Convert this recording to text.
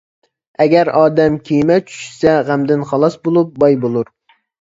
ئەگەر ئادەم كېمە چۈشىسە غەمدىن خالاس بولۇپ باي بولۇر.